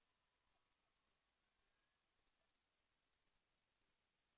แสวได้ไงของเราก็เชียนนักอยู่ค่ะเป็นผู้ร่วมงานที่ดีมาก